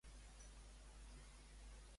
Qui va ser Enki?